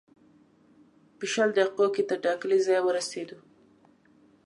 په شلو دقیقو کې تر ټاکلي ځایه ورسېدو.